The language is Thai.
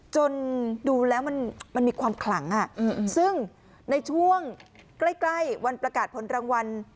จนดูแล้วมันมันมีความขลังอ่ะอืมซึ่งในช่วงใกล้ใกล้วันประกาศผลรางวัล